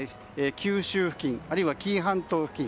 九州付近あるいは紀伊半島付近